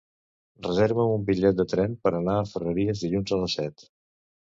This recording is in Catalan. Reserva'm un bitllet de tren per anar a Ferreries dilluns a les set.